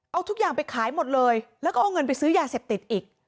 เอาทุกอย่างไปขายหมดเลยแล้วก็เอาเงินไปซื้อยาเสพติดอีก